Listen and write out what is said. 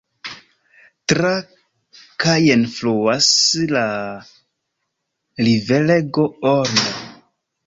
Tra Caen fluas la riverego Orne.